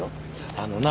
あのな。